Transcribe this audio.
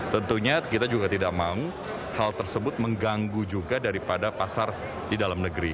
tentunya kita juga tidak mau hal tersebut mengganggu juga daripada pasar di dalam negeri